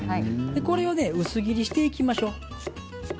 これを薄切りにしていきましょ。